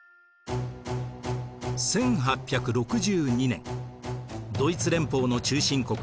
１８６２年ドイツ連邦の中心国